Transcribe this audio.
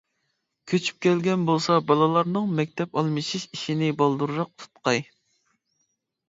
كۆچۈپ كەلگەن بولسا، بالىلارنىڭ مەكتەپ ئالمىشىش ئىشىنى بالدۇرراق تۇتقاي.